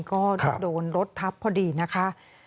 ก็โดนรถทับพอดีนะคะ